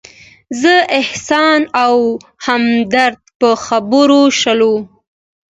زه، احسان او همدرد په خبرو شولو.